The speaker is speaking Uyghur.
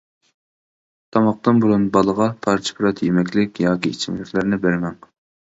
تاماقتىن بۇرۇن بالىغا پارچە-پۇرات يېمەكلىك ياكى ئىچىملىكلەرنى بەرمەڭ.